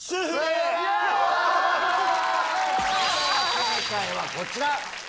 正解はこちら！